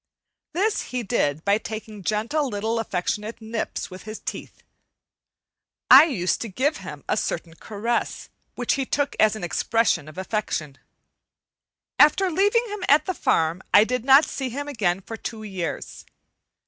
This he did by taking gentle little affectionate nips with his teeth. I used to give him a certain caress, which he took as an expression of affection. After leaving him at the farm I did not see him again for two years.